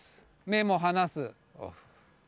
目も離す。